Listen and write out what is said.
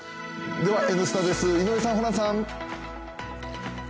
では「Ｎスタ」です、井上さん、ホランさん。